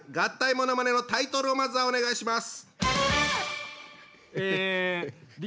ものまねのタイトルをまずはお願いします。